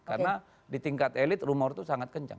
karena di tingkat elit rumor itu sangat kencang